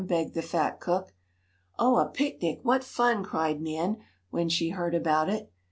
begged the fat cook. "Oh, a picnic! What fun!" cried Nan, when she heard about it.